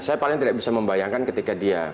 saya paling tidak bisa membayangkan ketika dia